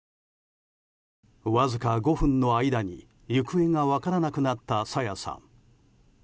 わずか５分の間に、行方が分からなくなった朝芽さん。